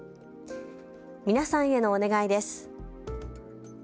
皆さんへのお願いです。